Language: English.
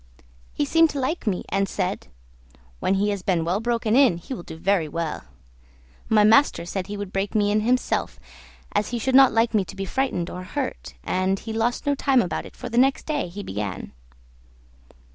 He seemed to like me, and said, "When he has been well broken in he will do very well." My master said he would break me in himself, as he should not like me to be frightened or hurt, and he lost no time about it, for the next day he began.